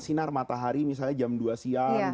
sinar matahari misalnya jam dua siang